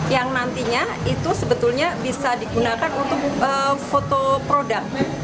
yang nantinya itu sebetulnya bisa digunakan untuk foto produk